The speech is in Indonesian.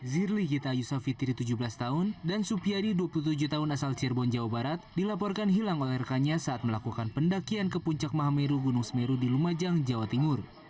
zirli gita yusafitiri tujuh belas tahun dan supiadi dua puluh tujuh tahun asal cirebon jawa barat dilaporkan hilang oleh rekannya saat melakukan pendakian ke puncak mahameru gunung semeru di lumajang jawa timur